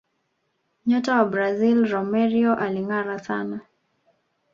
nyota wa brazil romario alingara sana